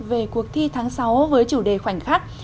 về cuộc thi tháng sáu với chủ đề khoảnh khắc